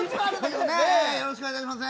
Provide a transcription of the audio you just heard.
よろしくお願いします。